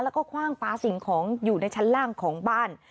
แล้วก็คว่างฟ้าสิ่งของอยู่ในชั้นล่างของบ้าน